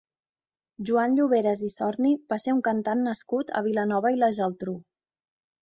Joan Lloveras i Sorni va ser un cantant nascut a Vilanova i la Geltrú.